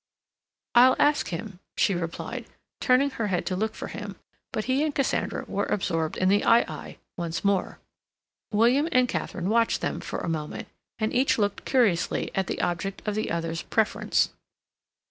"I'll ask him," she replied, turning her head to look for him. But he and Cassandra were absorbed in the aye aye once more. William and Katharine watched them for a moment, and each looked curiously at the object of the other's preference.